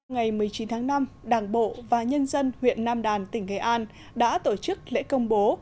ngày một mươi chín tháng năm đảng bộ và nhân dân huyện nam đàn tỉnh nghệ an đã tổ chức lễ công bố